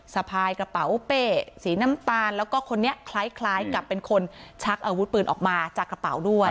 สะพายกระเป๋าเป้สีน้ำตาลแล้วก็คนนี้คล้ายกับเป็นคนชักอาวุธปืนออกมาจากกระเป๋าด้วย